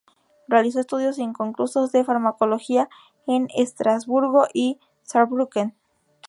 Realizó estudios inconclusos de farmacología en Estrasburgo y Saarbrücken.